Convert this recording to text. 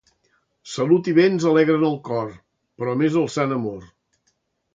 Salut i béns alegren el cor, però més el sant amor.